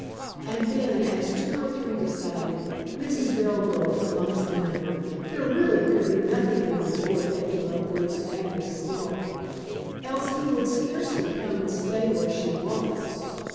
And then as two or three decided Mrs. Belgrove amongst the number there really could be nothing in the report that he loved Lady Agnes still, else he would scarcely come and stay where she was.